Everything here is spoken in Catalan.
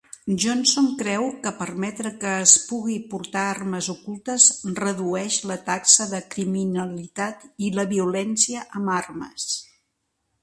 Johnson creu que permetre que es puguin portar armes ocultes redueix la taxa de criminalitat i la violència amb armes.